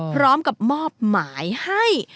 พร้อมกับมอบหมายให้